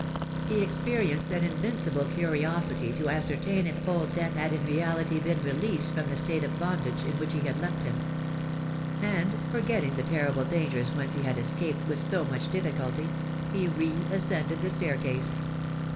He experienced an invincible curiosity to ascertain if Old Death had in reality been released from the state of bondage in which he had left him; and, forgetting the terrible dangers whence he had escaped with so much difficulty, he re ascended the staircase.